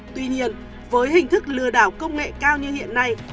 tuy nhiên với hình thức lừa đảo công nghệ cao như hiện nay